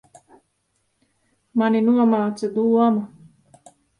Mani nomāca doma.